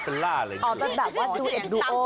อ่อเป็นแบบว่าดูเอกดูโอ